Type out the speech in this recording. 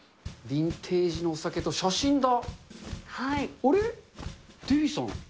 ビンテージのお酒と写真だ。